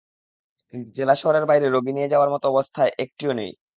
কিন্তু জেলা শহরের বাইরে রোগী নিয়ে যাওয়ার মতো অবস্থায় একটিও নেই।